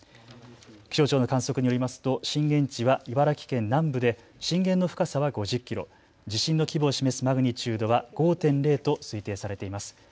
気象庁の観測によりますと震源地は茨城県南部で震源の深さは５０キロ、地震の規模を示すマグニチュードは５．０と推定されています。